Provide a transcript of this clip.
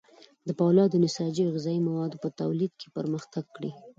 د فولادو، نساجي او غذايي موادو په تولید کې یې پرمختګ کړی.